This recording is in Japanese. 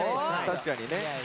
確かにね。